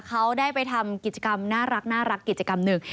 เขาได้ไปทำกิจกรรมน่ารักกิจกรรมหนึ่ง